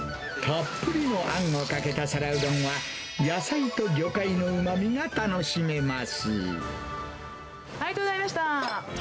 たっぷりのあんをかけた皿うどんは、野菜と魚介のうまみが楽しめます。